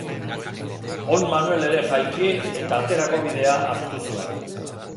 On Manuel ere jaiki eta aterako bidea hartu zuen.